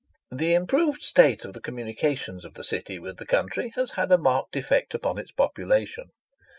The improved state of the communications of the City with the country has had a marked effect upon its population.